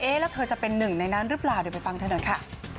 แล้วเธอจะเป็นหนึ่งในนั้นหรือเปล่าเดี๋ยวไปฟังเธอหน่อยค่ะ